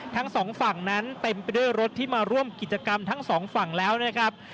ทั้งสองฝั่งนั้นเต็มไปด้วยรถที่มาร่วมกิจกรรมทั้งสองฝั่งแล้วนะครับ